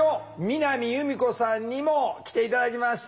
南由美子さんにも来て頂きました。